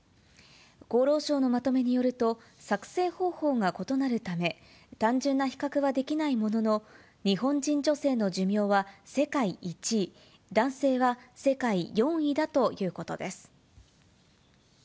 厚労省のまとめによると、作成方法が異なるため、単純な比較はできないものの、日本人女性の寿命は世界１位、男性は世界４位だということです。